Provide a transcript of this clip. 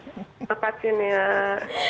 terima kasih niar